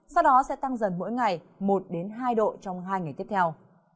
sau đó sẽ tăng dần mỗi ngày một hai độ trong hai ngày tiếp theo